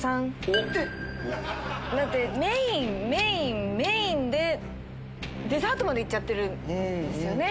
えっ⁉だってメインメインメインでデザートまで行っちゃってるんですよね。